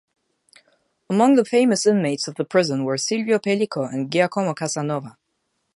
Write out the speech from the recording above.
Among the famous inmates of the prison were Silvio Pellico and Giacomo Casanova.